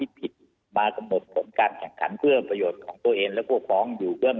และก็สปอร์ตเรียนว่าคำน่าจะมีการล็อคกรมการสังขัดสปอร์ตเรื่องหน้าในวงการกีฬาประกอบสนับไทย